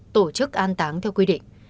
tổ chức an táng theo quy định